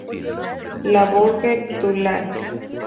Le Bourget-du-Lac